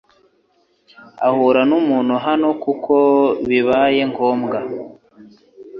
Urahura numuntu hano kuko bibaye ngombwa